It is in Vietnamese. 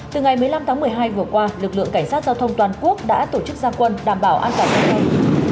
từ ngày một mươi năm tháng một mươi hai vừa qua lực lượng cảnh sát giao thông toàn quốc đã tổ chức gia quân đảm bảo an toàn giao thông